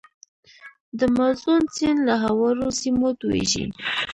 د مازون سیند له هوارو سیمو تویږي.